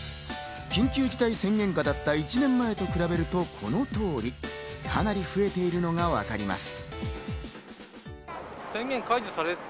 緊急事態宣言下だった１年前と比べるとこの通り。かなり増えているのがわかります。